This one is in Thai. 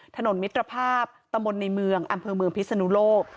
ถนนมิตรภาพตำบลในเมืองอำเภอเมืองพิศนุโลก